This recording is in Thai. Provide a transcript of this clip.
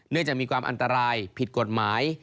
จะมีความอันตรายผิดกฎหมาย